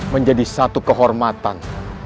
menjadi satu kehormatan